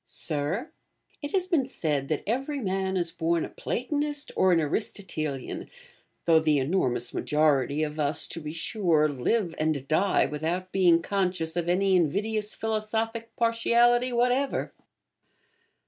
Sir, It has been said that every man is born a Platonist or an Aristotelian, though the enormous majority of us, to be sure, live and die without being conscious of any invidious philosophic partiality whatever.